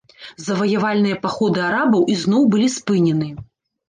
Заваявальныя паходы арабаў ізноў былі спынены.